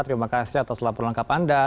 terima kasih atas laporan lengkap anda